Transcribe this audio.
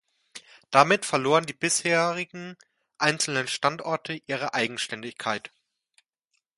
Damit verloren die bisherigen einzelnen Standorte ihre Eigenständigkeit.